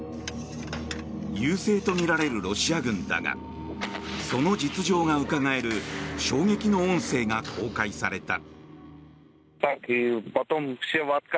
優勢とみられるロシア軍だがその実情がうかがえる衝撃の音声が公開された。